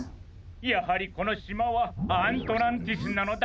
やはりこのしまはアントランティスなのだ！